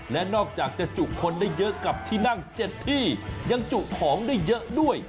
และนอกจากจะจุคนได้เยอะกับที่นั่ง๗ที่ยังจุของได้เยอะด้วย